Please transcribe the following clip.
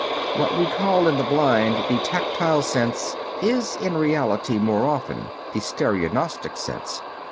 What we call in the blind the tactile sense is in reality more often the stereognostic sense.